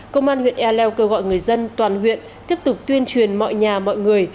công an huyện ea leo kêu gọi người dân toàn huyện tiếp tục tuyên truyền mọi nhà mọi người